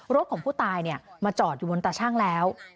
รถของผู้ตายมาจอดอยู่บนตาชั่งแล้ว